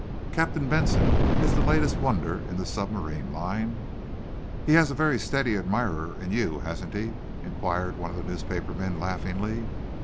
Captain Benson is the latest wonder in the submarine line." "He has a very steady admirer in you, hasn't he?" inquired one of the newspaper men, laughingly..